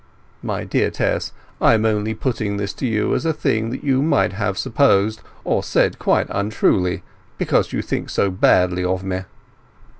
My dear Tess, I am only putting this to you as a thing that you might have supposed or said quite untruly, because you think so badly of me."